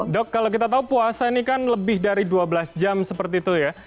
dok kalau kita tahu puasa ini kan lebih dari dua belas jam seperti itu ya